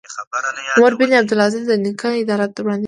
عمر بن عبدالعزیز د نیکه عدالت وړاندې کړ.